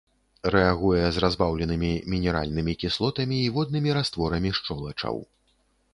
Рэагуе з разбаўленымі мінеральнымі кіслотамі і воднымі растворамі шчолачаў.